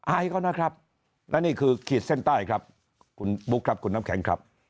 อายเขานะครับและนี่คือขีดเส้นใต้ครับคุณบุ๊คครับคุณน้ำแข็งครับ